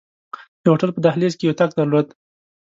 د هوټل په دهلیز کې یې اتاق درلود.